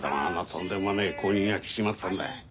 とんでもねえ後任が来ちまったんだ。